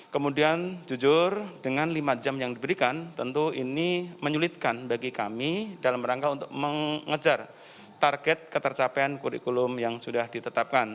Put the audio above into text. kemudian jujur dengan lima jam yang diberikan tentu ini menyulitkan bagi kami dalam rangka untuk mengejar target ketercapaian kurikulum yang sudah ditetapkan